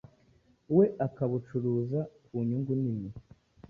we akabacuruza ku nyungu nini